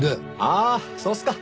ああそうっすか。